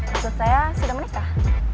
maksud saya sudah menikah